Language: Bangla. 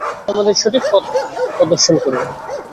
আপনি আমাদের সঠিক পথ প্রদর্শন করুন।